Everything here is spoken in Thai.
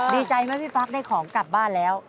ดีใจไหมพี่ปั๊กได้ของกลับบ้านแล้ว